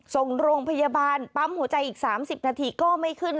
ส่งโรงพยาบาลปั๊มหัวใจอีก๓๐นาทีก็ไม่ขึ้น